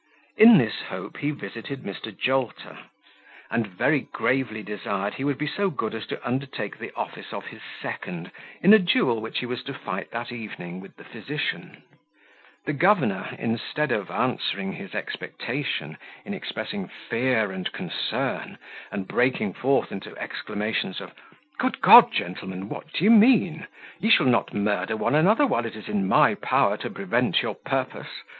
In this hope he visited Mr. Jolter, and very gravely desired he would be so good as to undertake the office of his second in a duel which he was to fight that evening with the physician. The governor, instead of answering his expectation, in expressing fear and concern, and breaking forth into exclamations of "Good God! gentlemen, what d'ye mean? You shall not murder one another while it is in my power to prevent your purpose.